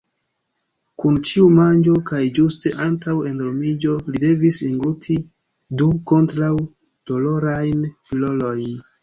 Kun ĉiu manĝo kaj ĝuste antaŭ endormiĝo, li devis engluti du kontraŭ-dolorajn pilolojn.